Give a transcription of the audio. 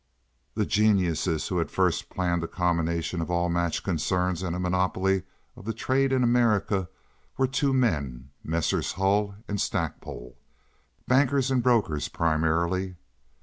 The geniuses who had first planned a combination of all match concerns and a monopoly of the trade in America were two men, Messrs. Hull and Stackpole—bankers and brokers, primarily.